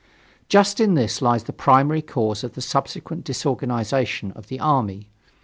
Just in this lies the primary cause of the subsequent disorganization of the army.